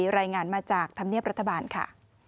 รายงานมาจากธรรมเนียบรัฐบาลค่ะ